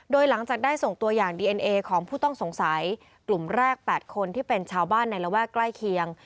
โดยหลังจากได้ส่งตัวอย่างดีเอ็นเอของผู้ต้องสงสัยกลุ่มแรก๘คนที่เป็นชาวบ้านในระแวกใกล้เคียง